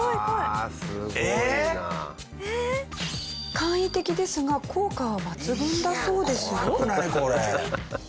簡易的ですが効果は抜群だそうですよ。